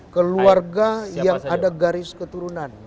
keluarga yang ada garis keturunan